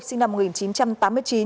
sinh năm một nghìn chín trăm tám mươi chín